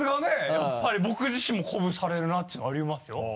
やっぱり僕自身も鼓舞されるなていうのはありますよ。